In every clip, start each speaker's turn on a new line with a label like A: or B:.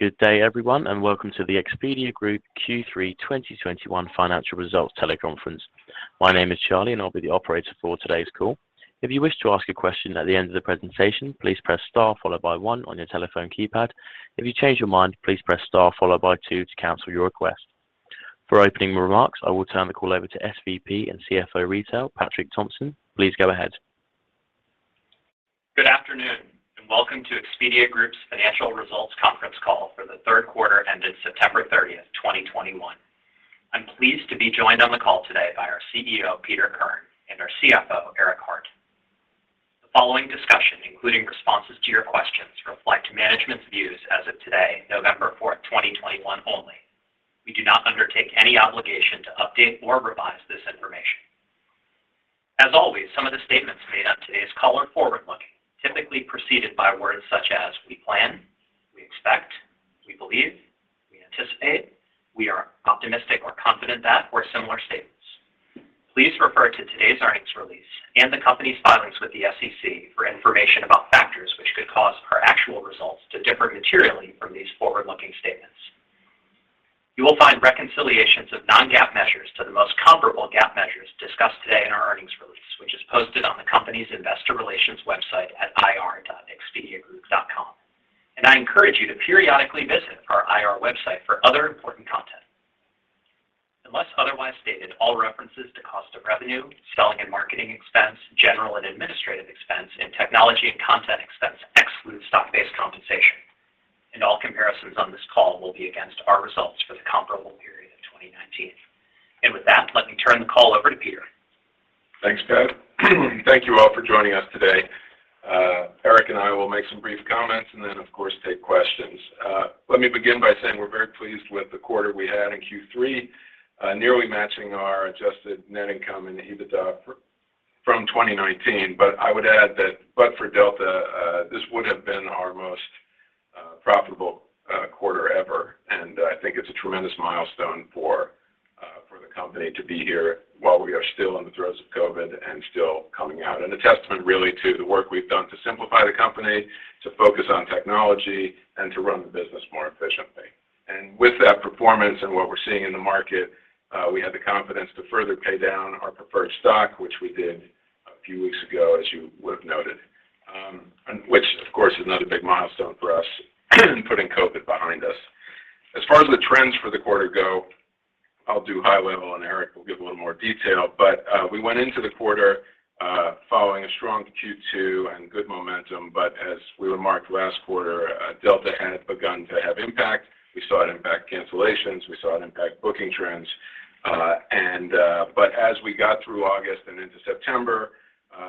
A: Good day, everyone, and welcome to the Expedia Group Q3 2021 Financial Results Teleconference. My name is Charlie, and I'll be the operator for today's call. If you wish to ask a question at the end of the presentation, please press star followed by one on your telephone keypad. If you change your mind, please press star followed by two to cancel your request. For opening remarks, I will turn the call over to SVP, CF and Retail, Patrick Thompson. Please go ahead.
B: Good afternoon, and welcome to Expedia Group's Financial Results Conference Call For The Third Quarter ended September 30th, 2021. I'm pleased to be joined on the call today by our CEO, Peter Kern, and our CFO, Eric Hart. The following discussion, including responses to your questions, reflect management's views as of today, November 4th, 2021, only. We do not undertake any obligation to update or revise this information. As always, some of the statements made on today's call are forward-looking, typically preceded by words such as "we plan," "we expect," "we believe," "we anticipate," "we are optimistic or confident that," or similar statements. Please refer to today's earnings release and the company's filings with the SEC for information about factors which could cause our actual results to differ materially from these forward-looking statements. You will find reconciliations of non-GAAP measures to the most comparable GAAP measures discussed today in our earnings release, which is posted on the company's investor relations website at ir.expediagroup.com. I encourage you to periodically visit our IR website for other important content. Unless otherwise stated, all references to cost of revenue, selling and marketing expense, general and administrative expense, and technology and content expense exclude stock-based compensation. All comparisons on this call will be against our results for the comparable period of 2019. With that, let me turn the call over to Peter.
C: Thanks, Pat. Thank you all for joining us today. Eric and I will make some brief comments and then of course take questions. Let me begin by saying we're very pleased with the quarter we had in Q3, nearly matching our adjusted net income and EBITDA from 2019. I would add that but for Delta, this would have been our most profitable quarter ever. I think it's a tremendous milestone for the company to be here while we are still in the throes of COVID and still coming out, and a testament really to the work we've done to simplify the company, to focus on technology, and to run the business more efficiently. With that performance and what we're seeing in the market, we had the confidence to further pay down our preferred stock, which we did a few weeks ago, as you would have noted, and which of course is another big milestone for us putting COVID behind us. As far as the trends for the quarter go, I'll do high level and Eric will give a little more detail, but we went into the quarter following a strong Q2 and good momentum, but as we remarked last quarter, Delta had begun to have impact. We saw it impact cancellations. We saw it impact booking trends. As we got through August and into September,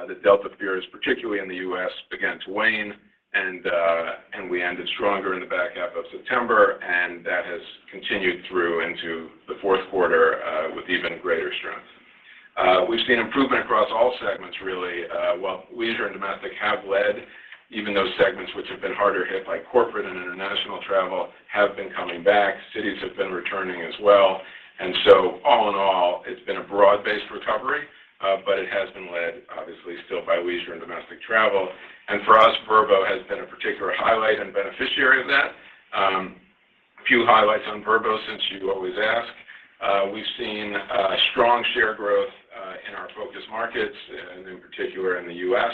C: the Delta fears, particularly in the U.S., began to wane and we ended stronger in the back half of September, and that has continued through into the fourth quarter, with even greater strength. We've seen improvement across all segments really. While Leisure and Domestic have led, even those segments which have been harder hit by corporate and international travel have been coming back. Cities have been returning as well. All in all, it's been a broad-based recovery, but it has been led obviously still by leisure and domestic travel. For us, Vrbo has been a particular highlight and beneficiary of that. A few highlights on Vrbo since you always ask. We've seen strong share growth in our focus markets and in particular in the U.S.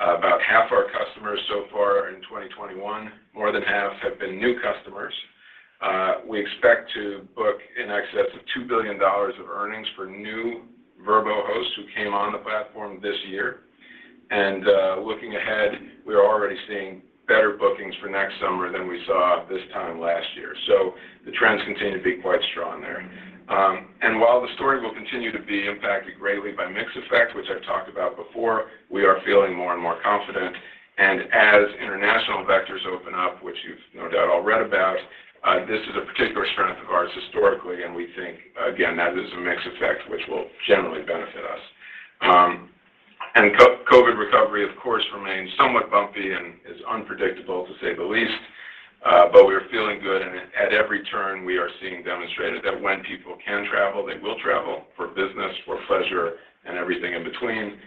C: About half our customers so far in 2021, more than half have been new customers. We expect to book in excess of $2 billion of earnings for new Vrbo hosts who came on the platform this year. Looking ahead, we are already seeing better bookings for next summer than we saw this time last year. The trends continue to be quite strong there. While the story will continue to be impacted greatly by mix effect, which I've talked about before, we are feeling more and more confident. As international vectors open up, which you've no doubt all read about, this is a particular strength of ours historically, and we think again, that is a mix effect which will generally benefit us. COVID recovery of course remains somewhat bumpy and is unpredictable to say the least, but we're feeling good and at every turn, we are seeing demonstrated that when people can travel, they will travel for business, for pleasure, and everything in between.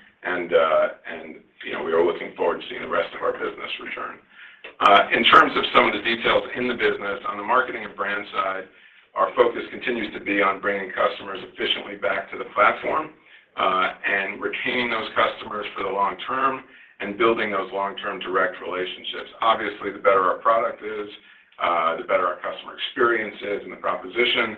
C: You know, we are looking forward to seeing the rest-of-our-business return. In terms of some of the details in the business, on the marketing and brand side, our focus continues to be on bringing customers efficiently back to the platform, and retaining those customers for the long term and building those long-term direct relationships. Obviously, the better our product is, the better our customer experience is and the proposition.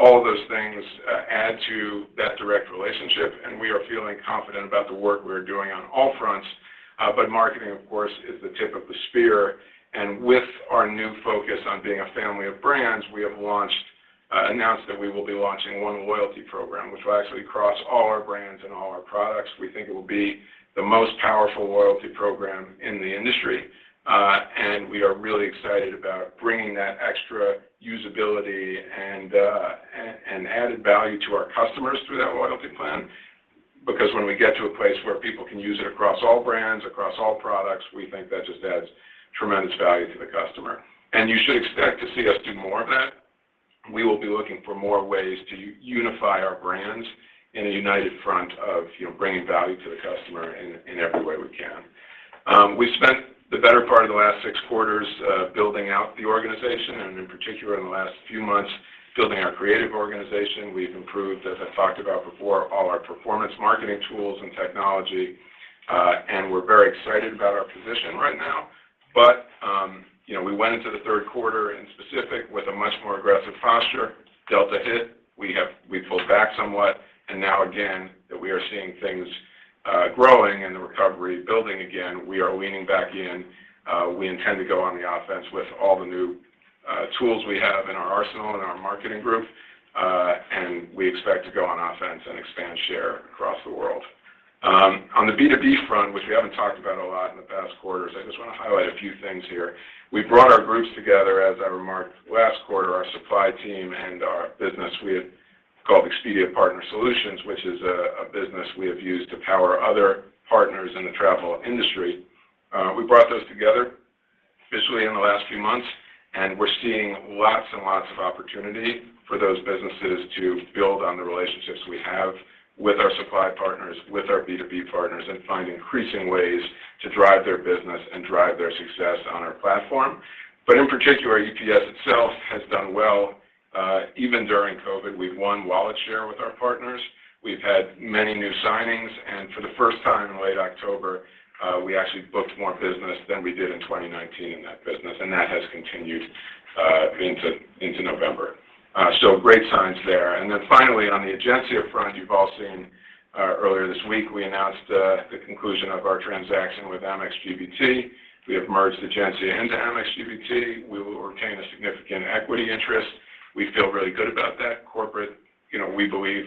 C: All of those things add to that direct relationship, and we are feeling confident about the work we are doing on all fronts. Marketing of course is the tip of the spear, and with our new focus on being a family of brands, we have announced that we will be launching one loyalty program, which will actually cross all our brands and all our products. We think it will be the most powerful loyalty program in the industry. We are really excited about bringing that extra usability and added value to our customers through that loyalty plan because when we get to a place where people can use it across all brands, across all products, we think that just adds tremendous value to the customer. You should expect to see us do more of that. We will be looking for more ways to unify our brands in a united front of, you know, bringing value to the customer in every way we can. We spent the better part of the last six quarters building out the organization, and in particular in the last few months building our creative organization. We've improved, as I've talked about before, all our performance marketing tools and technology, and we're very excited about our position right now. You know, we went into the third quarter in specific with a much more aggressive posture. Delta hit, we pulled back somewhat, and now again, that we are seeing things growing and the recovery building again, we are leaning back in. We intend to go on the offense with all the new tools we have in our arsenal in our marketing group, and we expect to go on offense and expand share across the world. On the B2B front, which we haven't talked about a lot in the past quarters, I just wanna highlight a few things here. We brought our groups together, as I remarked last quarter, our supply team and our business we had called Expedia Partner Solutions, which is a business we have used to power other partners in the travel industry. We brought those together officially in the last few months, and we're seeing lots and lots of opportunity for those businesses to build on the relationships we have with our supply partners, with our B2B partners, and find increasing ways to drive their business and drive their success on our platform. In particular, EPS itself has done well, even during COVID. We've won wallet share with our partners. We've had many new signings, and for the first time in late October, we actually booked more business than we did in 2019 in that business, and that has continued into November. Great signs there. Finally, on the Egencia front, you've all seen earlier this week we announced the conclusion of our transaction with Amex GBT. We have merged Egencia into Amex GBT. We will retain a significant equity interest. We feel really good about that. Corporate, you know, we believe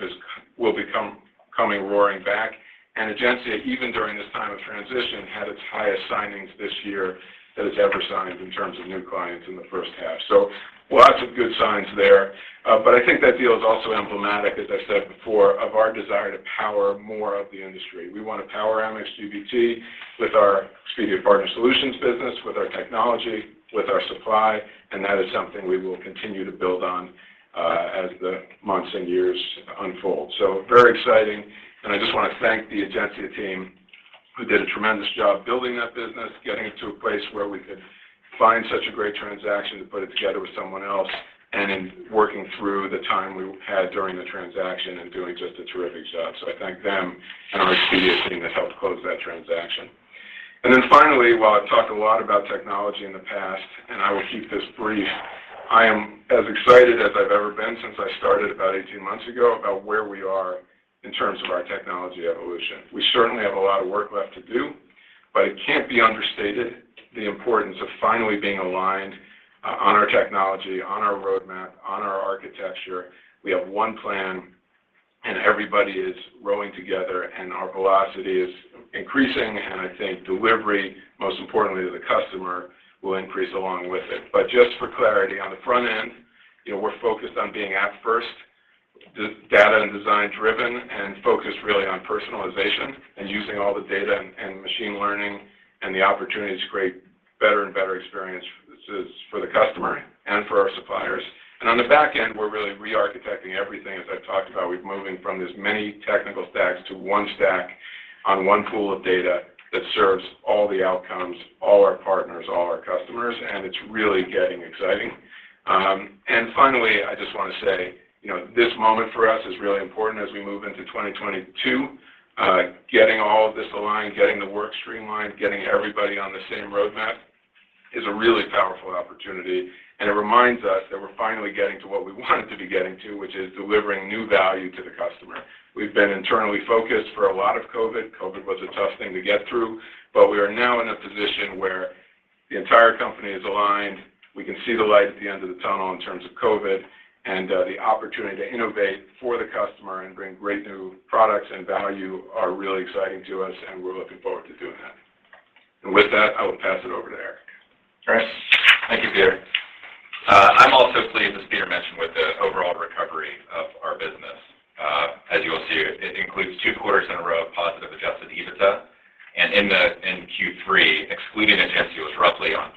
C: will come roaring back. Egencia, even during this time of transition, had its highest signings this year that it's ever signed in terms of new clients in the first half. Lots of good signs there. I think that deal is also emblematic, as I said before, of our desire to power more of the industry. We want to power Amex GBT with our Expedia Partner Solutions business, with our technology, with our supply, and that is something we will continue to build on, as the months and years unfold. Very exciting, and I just wanna thank the Egencia team who did a tremendous job building that business, getting it to a place where we could find such a great transaction to put it together with someone else, and in working through the time we had during the transaction and doing just a terrific job. I thank them and our Expedia team that helped close that transaction. Finally, while I've talked a lot about technology in the past, and I will keep this brief, I am as excited as I've ever been since I started about 18 months ago about where we are in terms of our technology evolution. We certainly have a lot of work left to do, but it can't be understated the importance of finally being aligned on our technology, on our roadmap, on our architecture. We have one plan and everybody is rowing together and our velocity is increasing, and I think delivery, most importantly to the customer, will increase along with it. Just for clarity, on the front end, you know, we're focused on being app first, data and design driven, and focused really on personalization and using all the data and machine learning and the opportunity to create better and better experiences for the customer and for our suppliers. On the back end, we're really re-architecting everything. As I've talked about, we're moving from this many technical stacks to one stack on one pool of data that serves all the outcomes, all our partners, all our customers, and it's really getting exciting. Finally, I just wanna say, you know, this moment for us is really important as we move into 2022. Getting all of this aligned, getting the work streamlined, getting everybody on the same roadmap is a really powerful opportunity, and it reminds us that we're finally getting to what we wanted to be getting to, which is delivering new value to the customer. We've been internally focused for a lot of COVID. COVID was a tough thing to get through, but we are now in a position where the entire company is aligned. We can see the light at the end of the tunnel in terms of COVID, and the opportunity to innovate for the customer and bring great new products and value are really exciting to us, and we're looking forward to doing that. With that, I will pass it over to Eric.
D: All right. Thank you, Peter. I'm also pleased, as Peter mentioned, with the overall recovery of our business. As you will see, it includes two quarters in a row of positive adjusted EBITDA, and in Q3, excluding Egencia, was roughly on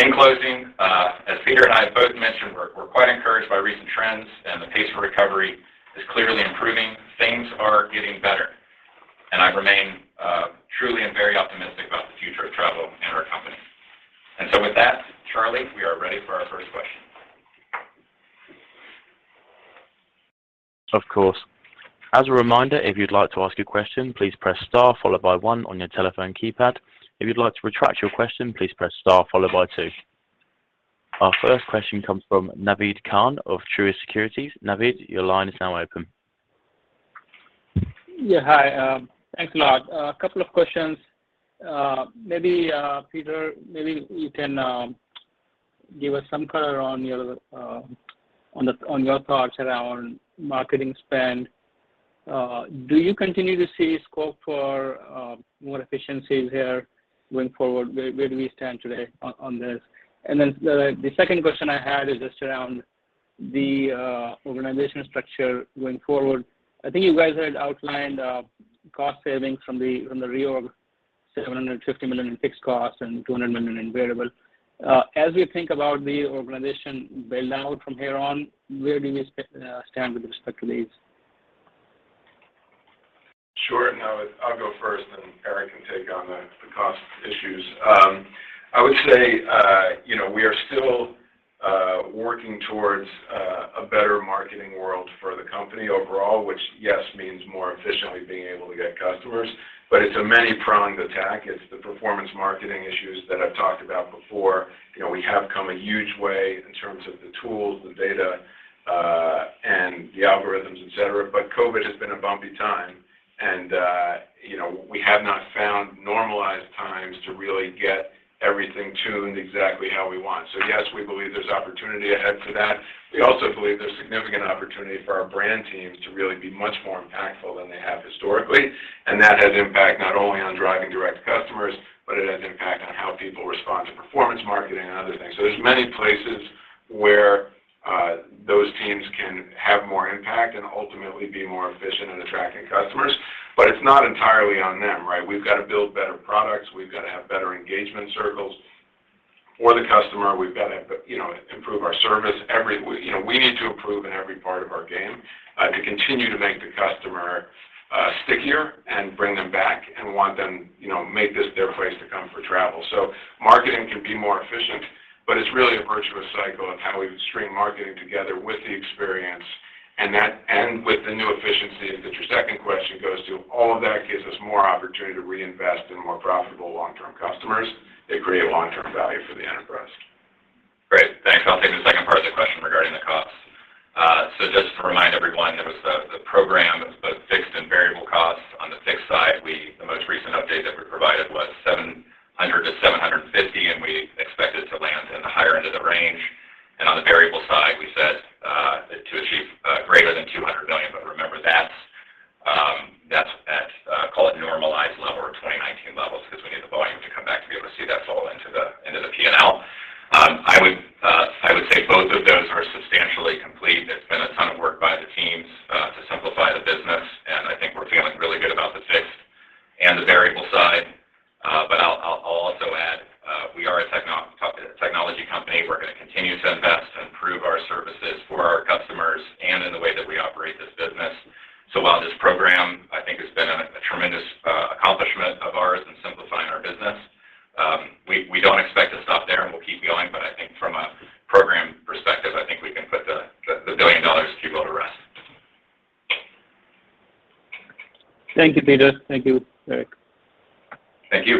D: In closing, as Peter and I both mentioned, we're quite encouraged by recent trends, and the pace of recovery is clearly improving. Things are getting better, and I remain truly and very optimistic about the future of travel and our company. With that, Charlie, we are ready for our first question.
A: Of course. As a reminder, if you'd like to ask a question, please press star followed by one on your telephone keypad. If you'd like to retract your question, please press star followed by two. Our first question comes from Naved Khan of Truist Securities. Naved, your line is now open.
E: Hi, thanks a lot. A couple of questions. Maybe Peter, maybe you can give us some color on your thoughts around marketing spend. Do you continue to see scope for more efficiencies here going forward? Where do we stand today on this? The second question I had is just around the organizational structure going forward. I think you guys had outlined cost savings from the reorg, $750 million in fixed costs and $200 million in variable. As we think about the organization build out from here on, where do we stand with respect to these?
C: I'll go first, and Eric can take on the cost issues. I would say, you know, we are still working towards a better marketing world for the company overall, which, yes, means more efficiently being able to get customers, but it's a many pronged attack. It's the performance marketing issues that I've talked about before. You know, we have come a huge way in terms of the tools, the data, and the algorithms, etc. But COVID has been a bumpy time and, you know, we have not found normalized times to really get everything tuned exactly how we want. Yes, we believe there's opportunity ahead for that. We also believe there's significant opportunity for our brand teams to really be much more impactful than they have historically. That has impact not only on driving direct customers, but it has impact on how people respond to performance marketing and other things. There's many places where those teams can Have more impact and ultimately be more efficient in attracting customers. It's not entirely on them, right? We've gotta build better products. We've gotta have better engagement circles for the customer. We've gotta, you know, improve our service. You know, we need to improve in every part of our game to continue to make the customer stickier and bring them back and want them, you know, make this their place to come for travel. Marketing can be more efficient, but it's really a virtuous cycle of how we would string marketing together with the experience and that, and with the new efficiencies that your second question goes to. All of that gives us more opportunity to reinvest in more profitable long-term customers that create long-term value for the enterprise.
D: Great. Thanks. I'll take the second part of the question regarding the costs. Just to remind everyone, it was the program, both fixed and variable costs. On the fixed side, the most recent update that we provided was $700-$750, and we expect it to land in the higher end of the range. On the variable side, we said to achieve greater than $200 million. Remember that's at call it normalized level or 2019 levels because we need the volume to come back to be able to see that fall into the P&L. I would say both of those are substantially complete. There's been a ton of work by the teams to simplify the business, and I think we're feeling really good about the fixed and the variable side. I'll also add, we are a technology company. We're gonna continue to invest to improve our services for our customers and in the way that we operate this business. While this program, I think, has been a tremendous accomplishment of ours in simplifying our business, we don't expect to stop there, and we'll keep going. I think from a program perspective, I think we can put the billion dollars to go to rest.
E: Thank you, Peter. Thank you, Eric.
D: Thank you.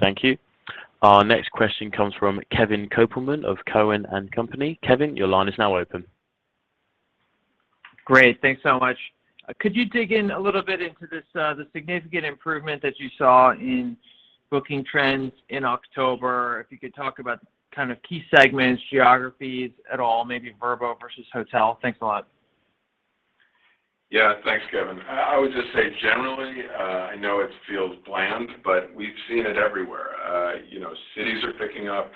A: Thank you. Our next question comes from Kevin Kopelman of Cowen and Company. Kevin, your line is now open.
F: Great. Thanks so much. Could you dig in a little bit into this, the significant improvement that you saw in booking trends in October? If you could talk about kind of key segments, geographies at all, maybe Vrbo versus Hotel. Thanks a lot.
C: Thanks, Kevin. I would just say generally, I know it feels bland, but we've seen it everywhere. You know, cities are picking up.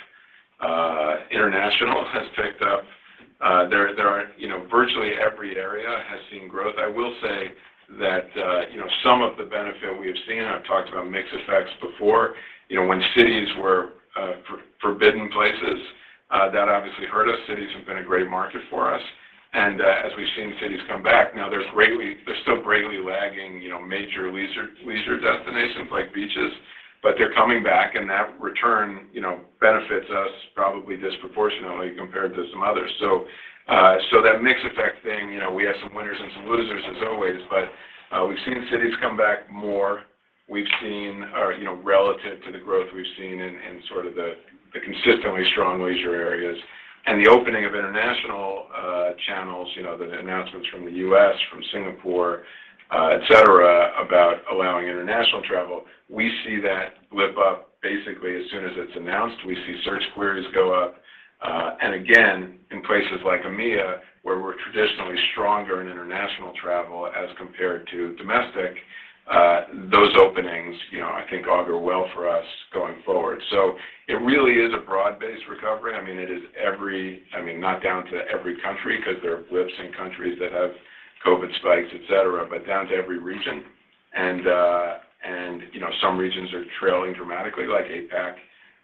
C: International has picked up. There are, you know, virtually every area has seen growth. I will say that, you know, some of the benefit we have seen, and I've talked about mix effects before. You know, when cities were forbidden places, that obviously hurt us. Cities have been a great market for us. As we've seen cities come back, now they're still greatly lagging, you know, major leisure destinations like beaches, but they're coming back, and that return, you know, benefits us probably disproportionately compared to some others. That mix effect thing, you know, we have some winners and some losers as always, but we've seen cities come back more. We've seen, you know, relative to the growth we've seen in sort of the consistently strong leisure areas. The opening of international channels, you know, the announcements from the U.S., from Singapore, etc., about allowing international travel, we see that lift up basically as soon as it's announced. We see search queries go up. Again, in places like EMEA, where we're traditionally stronger in international travel as compared to domestic, those openings, you know, I think augur well for us going forward. It really is a broad-based recovery. I mean, it is every. I mean, not down to every country 'cause there are blips in countries that have COVID spikes, etc, but down to every region. You know, some regions are trailing dramatically like APAC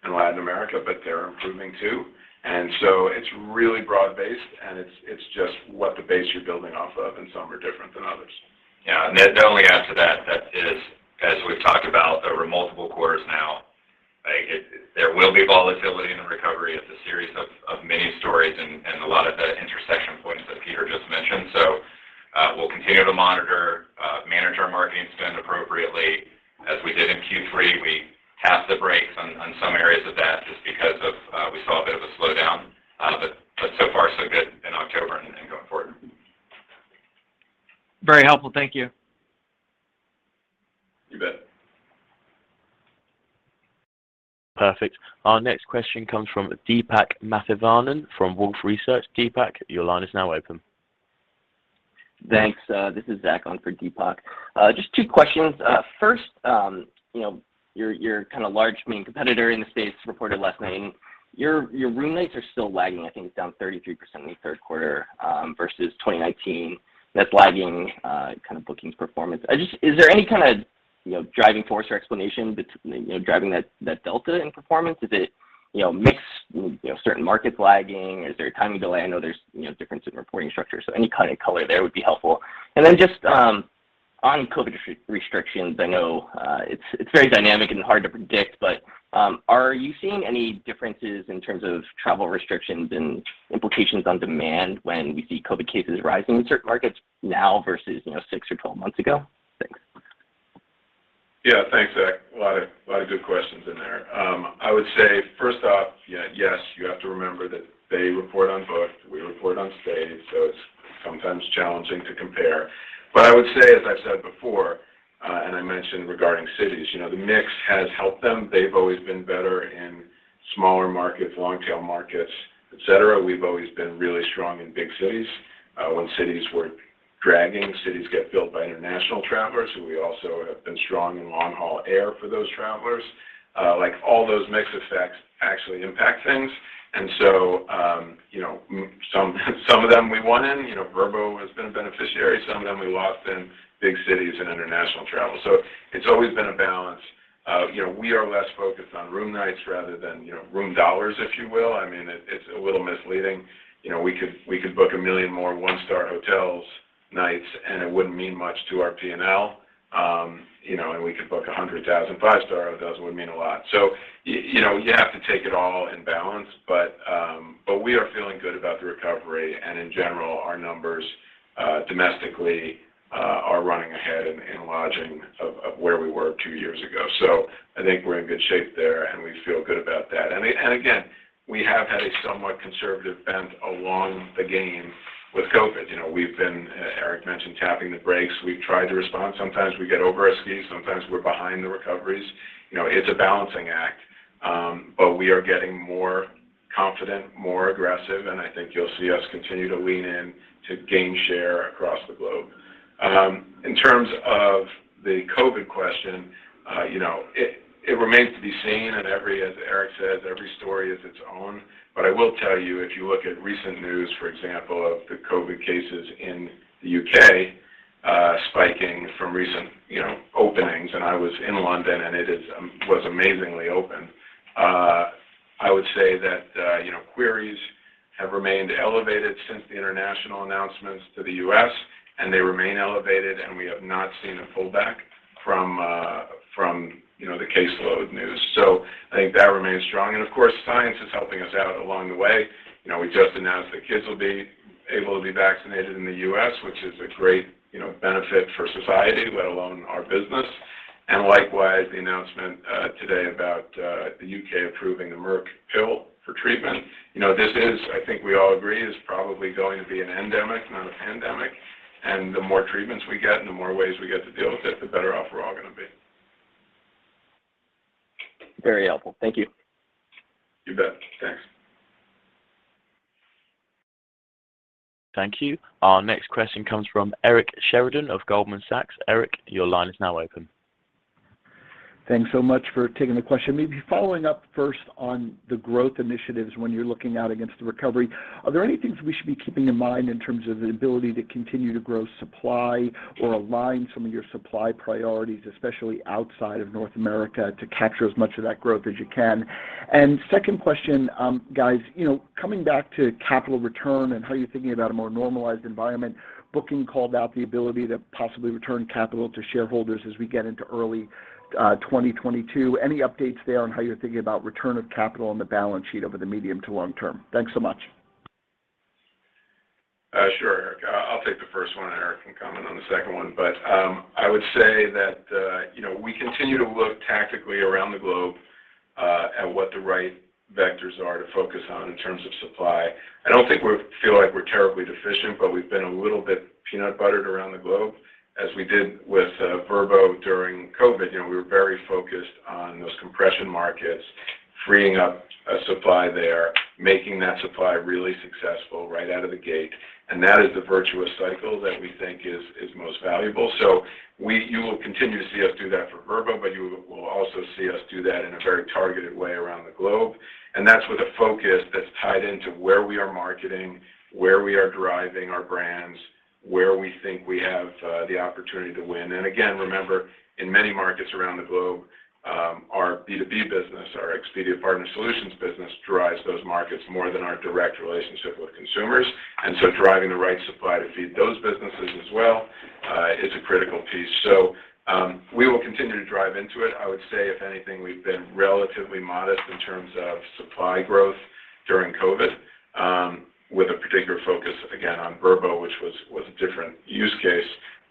C: and Latin America, but they're improving too. It's really broad based, and it's just what the base you're building off of, and some are different than others.
D: Then let me add to that. That is, as we've talked about over multiple quarters now, there will be volatility in the recovery. It's a series of many stories and a lot of the intersection points that Peter just mentioned. We'll continue to monitor, manage our marketing spend appropriately. As we did in Q3, we tapped the brakes on some areas of that just because of we saw a bit of a slowdown. So far so good in October and then going forward.
F: Very helpful. Thank you.
C: You bet.
A: Perfect. Our next question comes from Deepak Mathivanan from Wolfe Research. Deepak, your line is now open.
G: Thanks. This is Zach on for Deepak. Just two questions. First, you know, your kinda large main competitor in the space reported last night your room nights are still lagging. I think it's down 33% in the third quarter versus 2019. That's lagging kind of booking performance. Is there any kinda, you know, driving force or explanation you know, driving that delta in performance? Is it, you know, mix, you know, certain markets lagging? Is there a timing delay? I know there's, you know, difference in reporting structures, so any kind of color there would be helpful. On COVID restrictions, I know it's very dynamic and hard to predict, but are you seeing any differences in terms of travel restrictions and implications on demand when we see COVID cases rising in certain markets now versus six or 12 months ago? Thanks.
C: Thanks, Zach. A lot of good questions in there. I would say first off, yeah, yes, you have to remember that they report on booked, we report on stayed, so it's sometimes challenging to compare. I would say, as I've said before, and I mentioned regarding cities, you know, the mix has helped them. They've always been better in smaller markets, long tail markets, etc. We've always been really strong in big cities. When cities were dragging, cities get booked by international travelers, and we also have been strong in long-haul air for those travelers. Like all those mix effects actually impact things. Some of them we won in, Vrbo has been a beneficiary, some of them we lost in big cities and international travel. So it's always been a balance. You know, we are less focused on room nights rather than, you know, room dollars, if you will. I mean, it's a little misleading. You know, we could book 1 million more one-star hotel nights, and it wouldn't mean much to our P&L. You know, we could book 100,000 five-star hotels, it would mean a lot. You know, you have to take it all in balance. We are feeling good about the recovery, and in general, our numbers domestically are running ahead in Lodging of where we were two years ago. I think we're in good shape there, and we feel good about that. Again, we have had a somewhat conservative bent along the way with COVID. You know, we've been, Eric mentioned tapping the brakes. We've tried to respond. Sometimes we get overaggressive, sometimes we're behind the recoveries. You know, it's a balancing act. We are getting more confident, more aggressive, and I think you'll see us continue to lean in to gain share across the globe. In terms of the COVID question, you know, it remains to be seen, and as Eric says, every story is its own. I will tell you, if you look at recent news, for example, of the COVID cases in the U.K. spiking from recent, you know, openings, and I was in London, and it was amazingly open. I would say that, you know, queries have remained elevated since the international announcements to the U.S., and they remain elevated, and we have not seen a pullback from the caseload news. I think that remains strong. Of course, science is helping us out along the way. You know, we just announced that kids will be able to be vaccinated in the U.S., which is a great, you know, benefit for society, let alone our business. Likewise, the announcement today about the U.K. approving the Merck pill for treatment. You know, this is, I think we all agree, is probably going to be an endemic, not a pandemic. The more treatments we get and the more ways we get to deal with it, the better off we're all gonna be.
G: Very helpful. Thank you.
C: You bet. Thanks.
A: Thank you. Our next question comes from Eric Sheridan of Goldman Sachs. Eric, your line is now open.
H: Thanks so much for taking the question. Maybe following up first on the growth initiatives when you're looking out against the recovery, are there any things we should be keeping in mind in terms of the ability to continue to grow supply or align some of your supply priorities, especially outside of North America, to capture as much of that growth as you can? Second question, guys, you know, coming back to capital return and how you're thinking about a more normalized environment, Booking called out the ability to possibly return capital to shareholders as we get into early, 2022. Any updates there on how you're thinking about return of capital on the balance sheet over the medium to long term? Thanks so much.
C: Sure, Eric. I'll take the first one, and Eric can comment on the second one. I would say that, you know, we continue to look tactically around the globe, at what the right vectors are to focus on in terms of supply. I don't think we feel like we're terribly deficient, but we've been a little bit peanut buttered around the globe. As we did with Vrbo during COVID, you know, we were very focused on those compression markets, freeing up a supply there, making that supply really successful right out of the gate. That is the virtuous cycle that we think is most valuable. You will continue to see us do that for Vrbo, but you will also see us do that in a very targeted way around the globe. That's with a focus that's tied into where we are marketing, where we are driving our brands, where we think we have the opportunity to win. Again, remember, in many markets around the globe, our B2B business, our Expedia Partner Solutions business, drives those markets more than our direct relationship with consumers. Driving the right supply to feed those businesses as well is a critical piece. We will continue to drive into it. I would say, if anything, we've been relatively modest in terms of supply growth during COVID with a particular focus again on Vrbo, which was a different use case.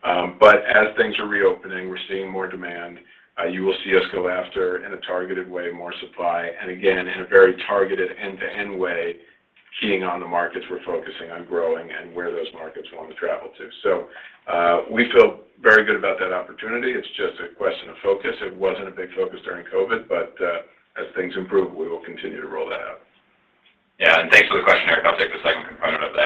C: As things are reopening, we're seeing more demand. You will see us go after, in a targeted way, more supply, and again, in a very targeted end-to-end way, keying on the markets we're focusing on growing and where those markets want to travel to. We feel very good about that opportunity. It's just a question of focus. It wasn't a big focus during COVID, but as things improve, we will continue to roll that out.
D: Thanks for the question, Eric. I'll take the second component of that.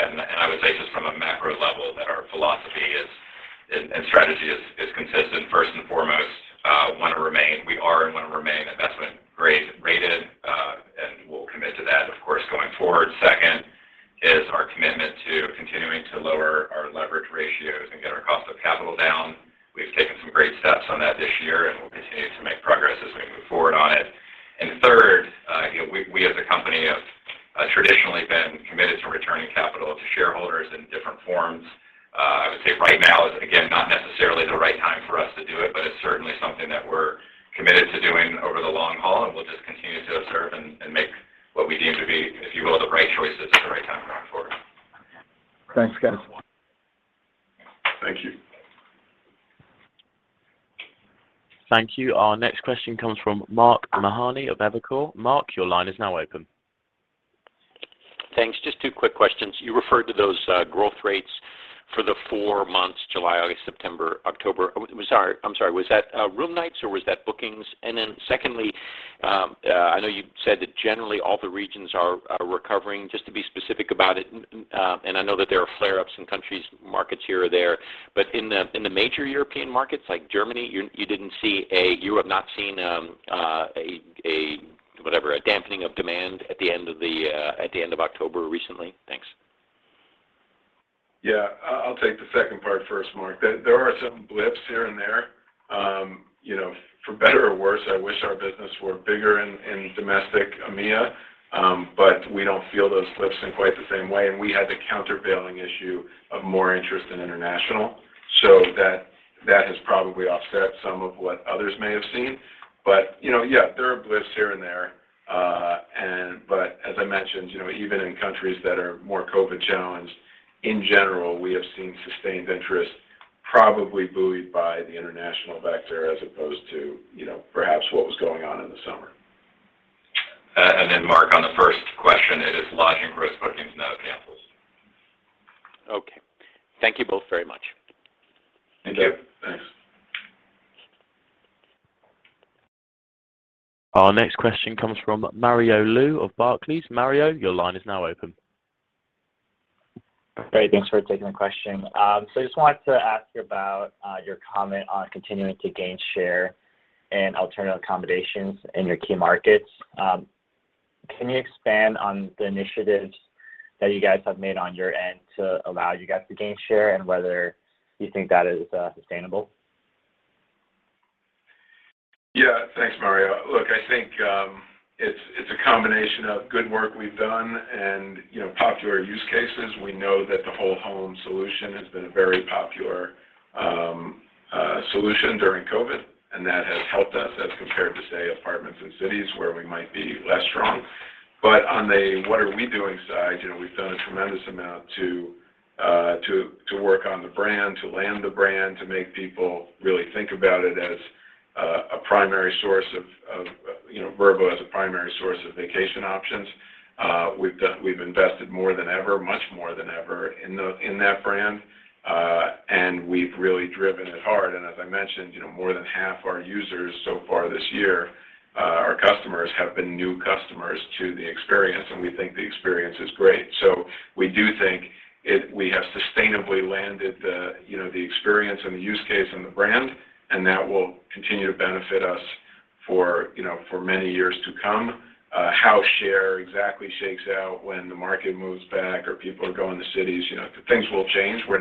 I: markets here or there, but in the major European markets like Germany, you have not seen a dampening of demand at the end of October recently? Thanks.
C: I'll take the second part first, Mark. There are some blips here and there. You know, for better or worse, I wish our business were bigger in domestic EMEA, but we don't feel those blips in quite the same way, and we had the countervailing issue of more interest in international. That has probably offset some of what others may have seen. You know, yeah, there are blips here and there. But as I mentioned, you know, even in countries that are more COVID challenged, in general, we have seen sustained interest, probably buoyed by the international factor as opposed to, you know, perhaps what was going on in the summer.
D: Mark, on the first question, it is Lodging gross bookings, not hotels.
I: Okay. Thank you both very much.
C: Thank you.
D: Thank you.
C: Thanks.
A: Our next question comes from Mario Lu of Barclays. Mario, your line is now open.
J: Great. Thanks for taking the question. I just wanted to ask about your comment on continuing to gain share in alternative accommodations in your key markets. Can you expand on the initiatives that you guys have made on your end to allow you guys to gain share, and whether you think that is sustainable?
C: Thanks, Mario. Look, I think it's a combination of good work we've done and, you know, popular use cases. We know that the whole home solution has been a very popular solution during COVID, and that has helped us as compared to, say, apartments and cities where we might be less strong. But on the what are we doing side, you know, we've done a tremendous amount to work on the brand, to land the brand, to make people really think about it as a primary source of, you know, Vrbo as a primary source of vacation options. We've invested more than ever, much more than ever in that brand, and we've really driven it hard. As I mentioned, you know, more than half our users so far this year, our customers have been new customers to the experience, and we think the experience is great. We do think it. We have sustainably landed the, you know, the experience and the use case and the brand, and that will continue to benefit us for, you know, for many years to come. How market share exactly shakes out when the market moves back or people are going to cities, you know, things will change. We're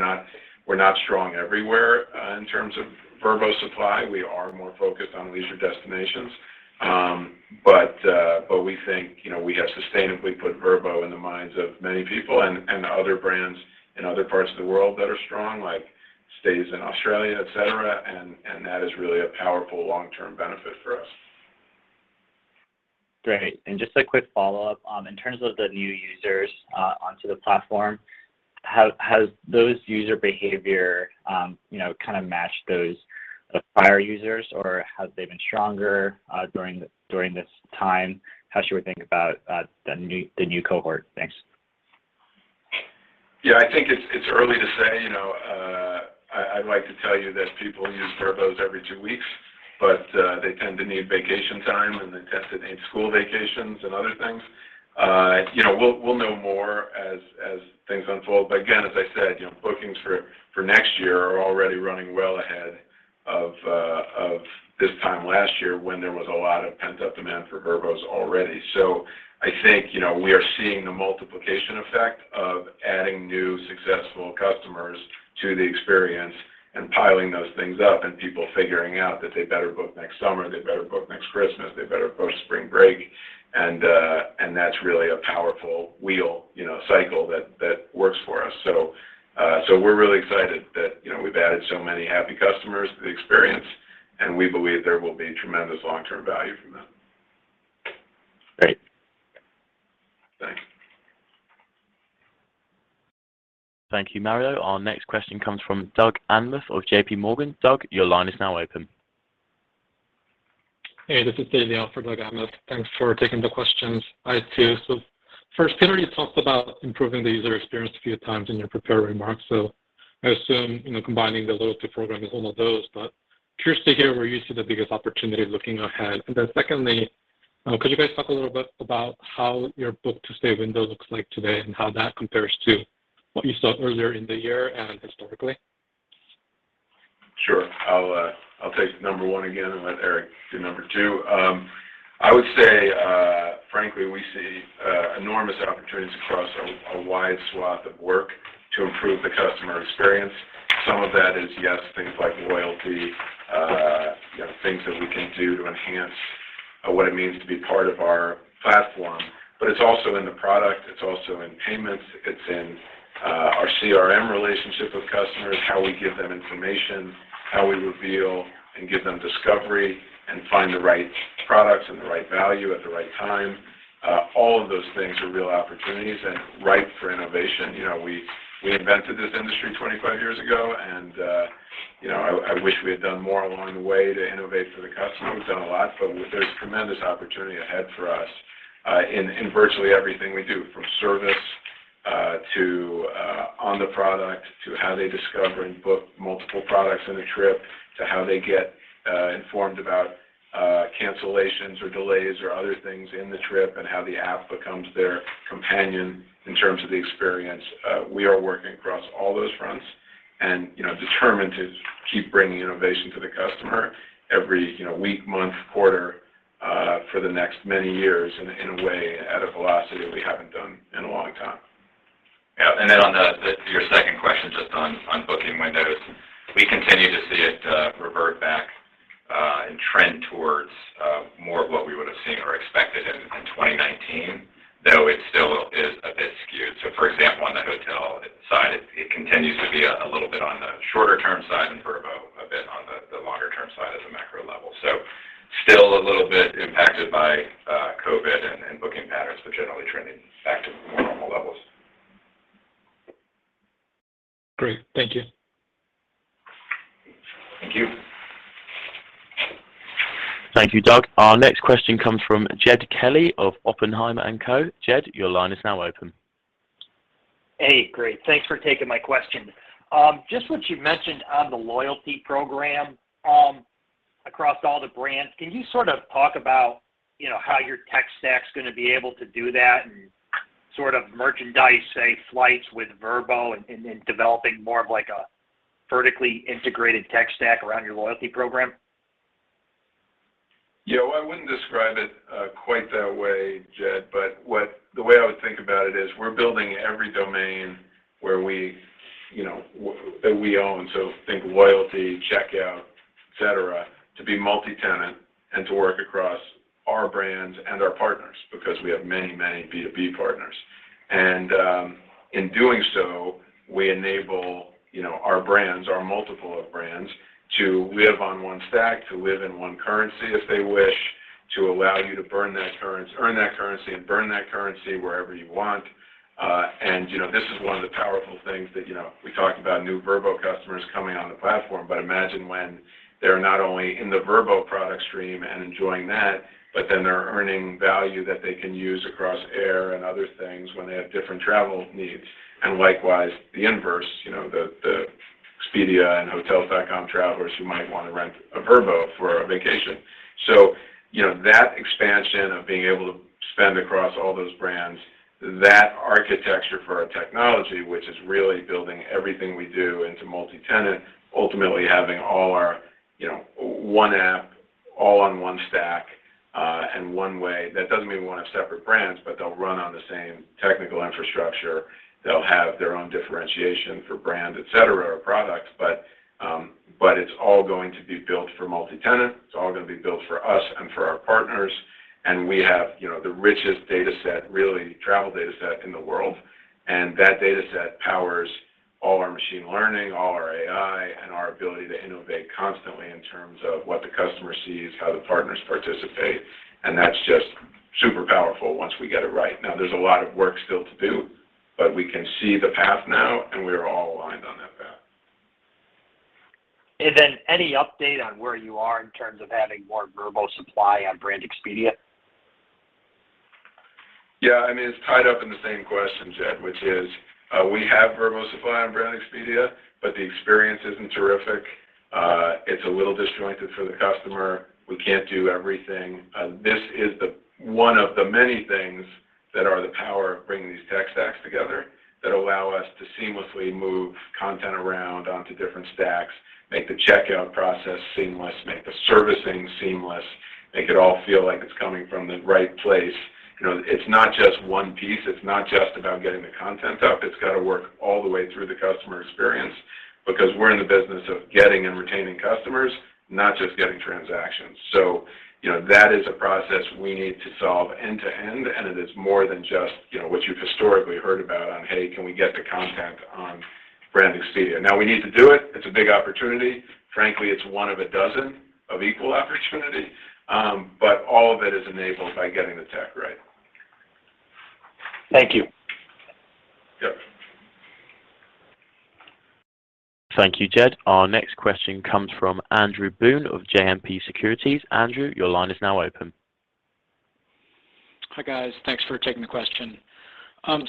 C: not strong everywhere in terms of Vrbo supply. We are more focused on leisure destinations. We think, you know, we have sustainably put Vrbo in the minds of many people and other brands in other parts of the world that are strong, like Stayz in Australia, ec, and that is really a powerful long-term benefit for us.
J: Great. Just a quick follow-up. In terms of the new users onto the platform, how has those user behavior you know kind of matched those acquire users? Or have they been stronger during this time? How should we think about the new cohort? Thanks.
C: I think it's early to say, you know. I'd like to tell you that people use Vrbo's every two weeks, but they tend to need vacation time, and they tend to need school vacations and other things. You know, we'll know more as things unfold, but again, as I said, you know, bookings for next year are already running well ahead of this time last year when there was a lot of pent-up demand for Vrbo's already. So I think, you know, we are seeing the multiplication effect of adding new successful customers to the experience and piling those things up and people figuring out that they better book next summer, they better book next Christmas, they better book spring break. That's really a powerful wheel, you know, cycle that works for us. We're really excited that, you know, we've added so many happy customers to the experience, and we believe there will be tremendous long-term value from that.
J: Great.
C: Thanks.
A: Thank you, Mario. Our next question comes from Doug Anmuth of JPMorgan. Doug, your line is now open.
K: Hey, this is Dae Lee on for Doug Anmuth. Thanks for taking the questions. I have two. First, Peter talked about improving the user experience a few times in your prepared remarks, so I assume, you know, combining the loyalty program is one of those. Curious to hear where you see the biggest opportunity looking ahead. Secondly, could you guys talk a little bit about how your book-to-stay window looks like today and how that compares to what you saw earlier in the year and historically?
C: Sure. I'll take number one again and let Eric do number two. I would say frankly, we see enormous opportunities across a wide swath of work to improve the customer experience. Some of that is, yes, things like loyalty, you know, things that we can do to enhance what it means to be part of our platform. It's also in the product, it's also in payments, it's in our CRM relationship with customers, how we give them information, how we reveal and give them discovery and find the right products and the right value at the right time. All of those things are real opportunities and ripe for innovation. You know, we invented this industry 25 years ago, and you know, I wish we had done more along the way to innovate for the customer. We've done a lot, but there's tremendous opportunity ahead for us, in virtually everything we do, from service to on the product to how they discover and book multiple products in a trip to how they get informed about cancellations or delays or other things in the trip and how the app becomes their companion in terms of the experience. We are working across all those fronts and, you know, determined to keep bringing innovation to the customer every, you know, week, month, quarter, for the next many years in a way at a velocity that we haven't done in a long time.
D: Then on the your second question just on booking windows, we continue to see it revert back and trend towards more of what we would have seen or expected in 2019, though it still is a bit skewed. For example, on the Hotel side, it continues to be a little bit on the shorter-term side and Vrbo a bit on the longer-term side at the macro level. Still a little bit impacted by COVID and booking patterns, but generally trending back to more normal levels.
K: Great. Thank you.
D: Thank you.
A: Thank you, Doug. Our next question comes from Jed Kelly of Oppenheimer & Co. Jed, your line is now open.
L: Hey, great. Thanks for taking my question. Just what you mentioned on the loyalty program across all the brands, can you sort of talk about, you know, how your tech stack's gonna be able to do that and sort of merchandise, say, flights with Vrbo and developing more of like a vertically integrated tech stack around your loyalty program?
C: Yeah. Well, I wouldn't describe it quite that way, Jed, but the way I would think about it is we're building every domain that we own, so think loyalty, checkout, etc, to be multi-tenant and to work across our brands and our partners because we have many, many B2B partners. In doing so, we enable our brands, our multiplicity of brands to live on one stack, to live in one currency if they wish, to allow you to earn that currency and burn that currency wherever you want. This is one of the powerful things that we talked about new Vrbo customers coming on the platform. Imagine when they're not only in the Vrbo product stream and enjoying that, but then they're earning value that they can use across air and other things when they have different travel needs. Likewise, the inverse, you know, the Expedia and Hotels.com travelers who might wanna rent a Vrbo for a vacation. You know, that expansion of being able to spend across all those brands, that architecture for our technology, which is really building everything we do into multi-tenant, ultimately having all our, you know, one app all on one stack, and one way. That doesn't mean we wanna have separate brands, but they'll run on the same technical infrastructure. They'll have their own differentiation for brand, etc, or products. But it's all going to be built for multi-tenant. It's all gonna be built for us and for our partners. We have, you know, the richest dataset, really travel dataset in the world. That dataset powers all our machine learning, all our AI, and our ability to innovate constantly in terms of what the customer sees, how the partners participate, and that's just super powerful once we get it right. Now, there's a lot of work still to do, but we can see the path now, and we are all aligned on that path.
L: Any update on where you are in terms of having more Vrbo supply on Brand Expedia?
C: I mean, it's tied up in the same question, Jed, which is, we have Vrbo supply on Brand Expedia, but the experience isn't terrific. It's a little disjointed for the customer. We can't do everything. This is one of the many things that are the power of bringing these tech stacks together that allow us to seamlessly move content around onto different stacks, make the checkout process seamless, make the servicing seamless, make it all feel like it's coming from the right place. You know, it's not just one piece. It's not just about getting the content up. It's gotta work all the way through the customer experience because we're in the business of getting and retaining customers, not just getting transactions. You know, that is a process we need to solve end to end, and it is more than just, you know, what you've historically heard about on, "Hey, can we get the content on Brand Expedia?" Now we need to do it. It's a big opportunity. Frankly, it's one of a dozen of equal opportunity. But all of it is enabled by getting the tech right.
L: Thank you.
C: Yep.
A: Thank you, Jed. Our next question comes from Andrew Boone of JMP Securities. Andrew, your line is now open.
M: Hi, guys. Thanks for taking the question.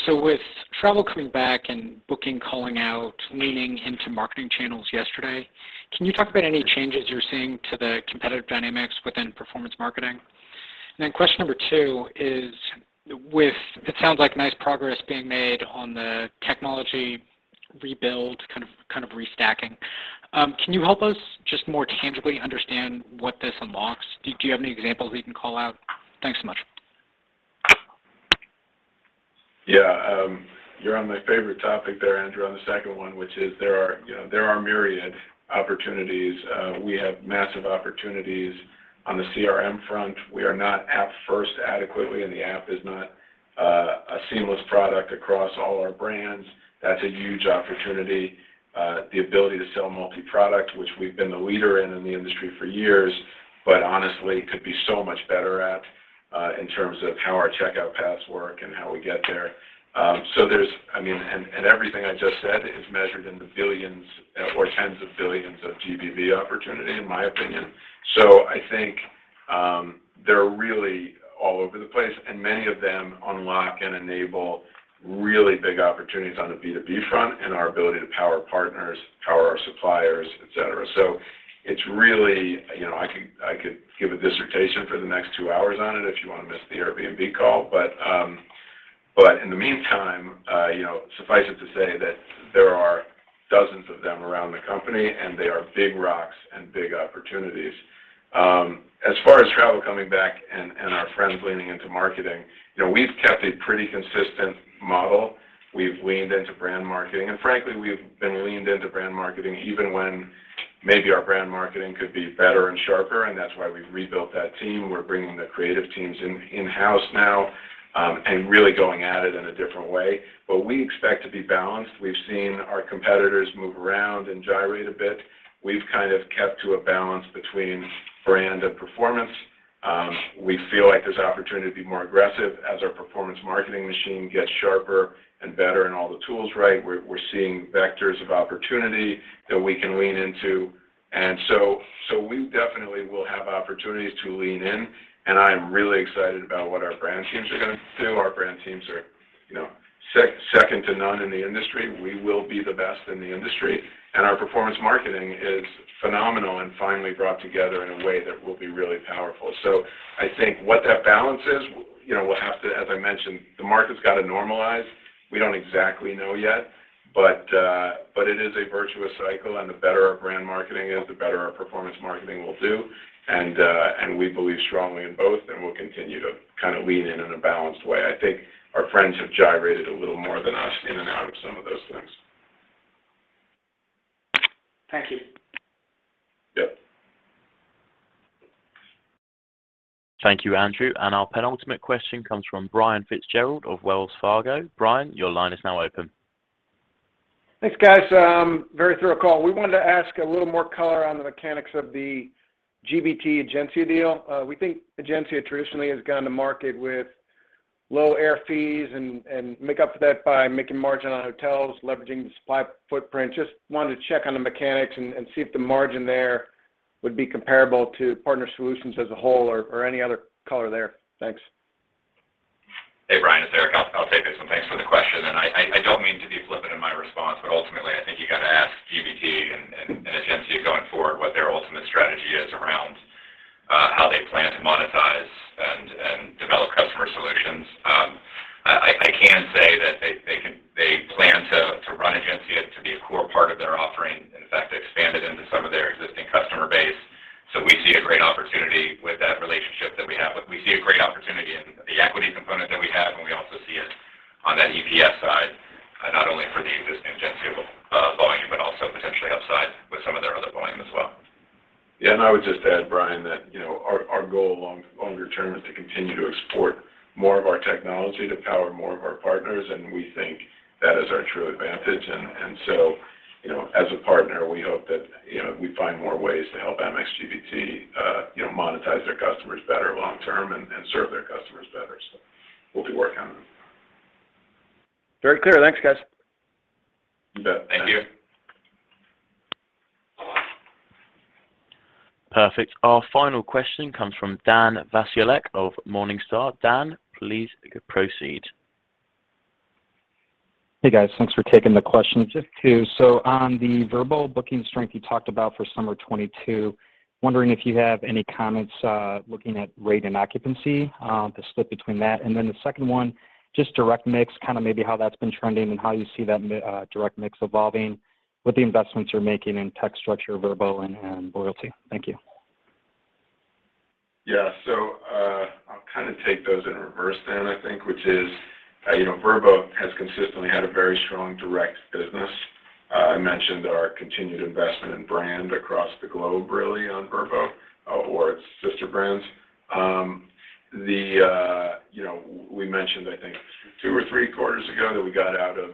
M: With travel coming back and booking calling out, leaning into marketing channels yesterday, can you talk about any changes you're seeing to the competitive dynamics within performance marketing? Question number two is with, it sounds like nice progress being made on the technology rebuild, kind of restacking. Can you help us just more tangibly understand what this unlocks? Do you have any examples we can call out? Thanks so much.
C: Yeah. You're on my favorite topic there, Andrew, on the second one, which is, you know, there are myriad opportunities. We have massive opportunities on the CRM front. We are not app first adequately, and the app is not a seamless product across all our brands. That's a huge opportunity. The ability to sell multi-product, which we've been the leader in the industry for years, but honestly could be so much better at, in terms of how our checkout paths work and how we get there. There's. I mean, and everything I just said is measured in the billions or tens of billions of GBV opportunity, in my opinion. I think they're really all over the place, and many of them unlock and enable really big opportunities on the B2B front and our ability to power partners, power our suppliers, etc. It's really, you know, I could give a dissertation for the next two hours on it if you wanna miss the Airbnb call. In the meantime, you know, suffice it to say that there are dozens of them around the company, and they are big rocks and big opportunities. As far as travel coming back and our friends leaning into marketing, you know, we've kept a pretty consistent model. We've leaned into brand marketing, and frankly, we've been leaned into brand marketing even when maybe our brand marketing could be better and sharper, and that's why we've rebuilt that team. We're bringing the creative teams in-house now, and really going at it in a different way. We expect to be balanced. We've seen our competitors move around and gyrate a bit. We've kind of kept to a balance between brand and performance. We feel like there's opportunity to be more aggressive as our performance marketing machine gets sharper and better and all the tools right. We're seeing vectors of opportunity that we can lean into. So we definitely will have opportunities to lean in, and I am really excited about what our brand teams are gonna do. Our brand teams are, you know, second to none in the industry. We will be the best in the industry, and our performance marketing is phenomenal and finally brought together in a way that will be really powerful. I think what that balance is, you know, we'll have to. As I mentioned, the market's gotta normalize. We don't exactly know yet, but it is a virtuous cycle, and the better our brand marketing is, the better our performance marketing will do. We believe strongly in both, and we'll continue to kind of lean in in a balanced way. I think our friends have gyrated a little more than us in and out of some of those things.
M: Thank you.
C: Yep.
A: Thank you, Andrew. Our penultimate question comes from Brian FitzGerald of Wells Fargo. Brian, your line is now open.
N: Thanks, guys. Very thorough call. We wanted to ask a little more color on the mechanics of the GBT-Egencia deal. We think Egencia traditionally has gone to market with low air fees and make up for that by making margin on hotels, leveraging the supply footprint. Just wanted to check on the mechanics and see if the margin there would be comparable to Partner Solutions as a whole or any other color there. Thanks.
D: Hey, Brian. It's Eric. I'll take this one. Thanks for the question. I don't mean to be flippant in my response, but ultimately I think you gotta ask GBT and Egencia going forward what their ultimate strategy is around how they plan to monetize and develop customer solutions. I can say that they plan to run Egencia to be a core part of their offering. In fact, they expanded into some of their existing customer base. We see a great opportunity with that relationship that we have. We see a great opportunity in the equity component that we have, and we also see it on that EPS side, not only for the existing Egencia volume, but also potentially upside with some of their other volume as well.
C: I would just add, Brian, that, you know, our goal longer term is to continue to export more of our technology to power more of our partners, and we think that is our true advantage. You know, as a partner, we hope that, you know, we find more ways to help Amex GBT, you know, monetize their customers better long term and serve their customers better. We'll keep working on that.
N: Very clear. Thanks, guys.
C: You bet.
D: Thank you.
A: Perfect. Our final question comes from Dan Wasiolek of Morningstar. Dan, please proceed.
O: Hey, guys. Thanks for taking the questions. Just two. On the Vrbo booking strength you talked about for summer 2022, wondering if you have any comments looking at rate and occupancy, the split between that. The second one, just direct mix, kind of maybe how that's been trending and how you see that direct mix evolving with the investments you're making in tech infrastructure, Vrbo and loyalty? Thank you.
C: I'll kinda take those in reverse then, I think, which is, you know, Vrbo has consistently had a very strong direct business. I mentioned our continued investment in brand across the globe really on Vrbo, or its sister brands. You know, we mentioned I think two or three quarters ago that we got out of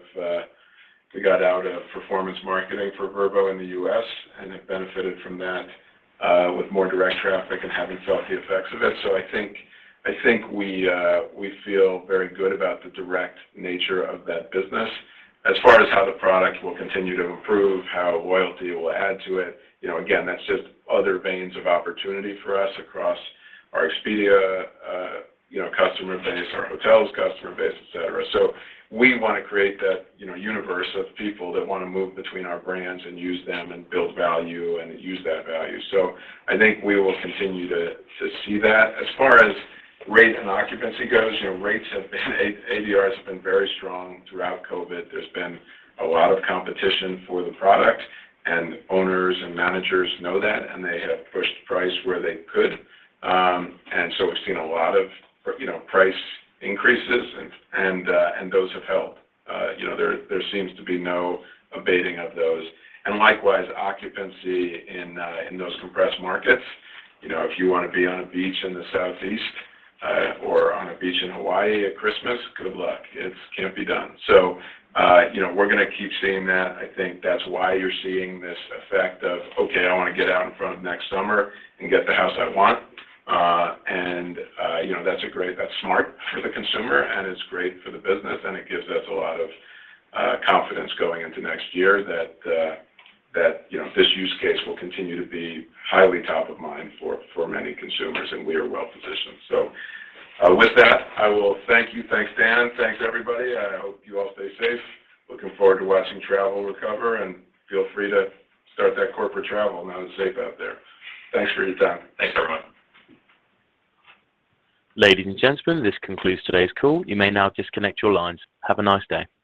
C: performance marketing for Vrbo in the U.S. and have benefited from that, with more direct traffic and having felt the effects of it. I think we feel very good about the direct nature of that business. As far as how the product will continue to improve, how loyalty will add to it, you know, again, that's just other veins of opportunity for us across our Expedia, you know, customer base, our hotels customer base, etc. We wanna create that, you know, universe of people that wanna move between our brands and use them and build value and use that value. I think we will continue to see that. As far as rate and occupancy goes, you know, rates have been ADRs have been very strong throughout COVID. There's been a lot of competition for the product, and owners and managers know that, and they have pushed price where they could. We've seen a lot of, you know, price increases and those have helped. You know, there seems to be no abating of those. Likewise, occupancy in those compressed markets, you know, if you wanna be on a beach in the southeast, or on a beach in Hawaii at Christmas, good luck. It can't be done. You know, we're gonna keep seeing that. I think that's why you're seeing this effect of, "Okay, I wanna get out in front of next summer and get the house I want." You know, that's smart for the consumer, and it's great for the business, and it gives us a lot of confidence going into next year that you know, this use case will continue to be highly top of mind for many consumers, and we are well positioned. With that, I will thank you. Thanks, Dan. Thanks, everybody. I hope you all stay safe. Looking forward to watching travel recover, and feel free to start that corporate travel now that it's safe out there. Thanks for your time.
O: Thanks, everyone.
A: Ladies and gentlemen, this concludes today's call. You may now disconnect your lines. Have a nice day.